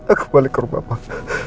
aku balik ke rumah makan